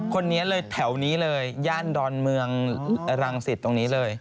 คนนี้เลยแถวนี้เลยย่านดอนเมืองรังสิตตรงนี้เลย